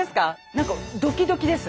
なんかドキドキです。